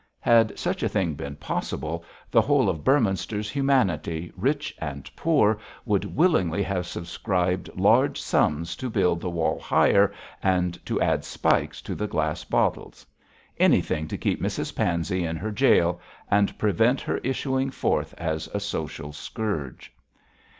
Had such a thing been possible, the whole of Beorminster humanity, rich and poor, would willingly have subscribed large sums to build the wall higher, and to add spikes to the glass bottles. Anything to keep Mrs Pansey in her gaol, and prevent her issuing forth as a social scourge.